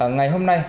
ngày hôm nay